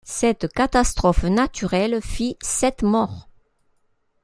Cette catastrophe naturelle fit sept morts.